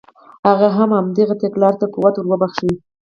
هغه هم همدغې تګلارې ته قوت ور وبخښه.